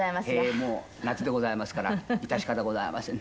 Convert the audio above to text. もう夏でございますからいたし方ございません。